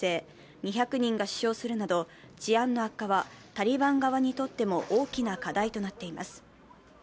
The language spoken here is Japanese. ２００人が死傷するなど、治安の悪化はタリバン側にとっても大きな課題となっています。